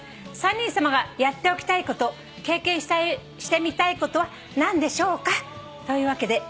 「３人さまがやっておきたいこと経験してみたいことは何でしょうか？」というわけで。